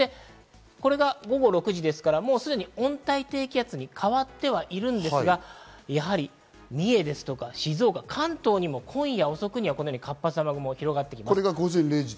午後６時ですから、すでに温帯低気圧に変わってはいるんですが、やはり三重とか静岡、関東などにも今夜遅くには活発な雨雲が広がります。